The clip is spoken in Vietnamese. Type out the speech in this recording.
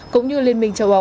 cũng như liên minh châu âu eu